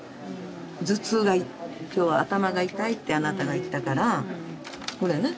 頭痛が今日は頭が痛いってあなたが言ったからこれね。